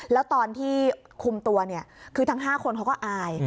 แล้วตอนที่คุมตัวเนี่ยคือทั้ง๕คนเขาก็อาย